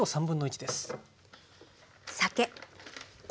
酒。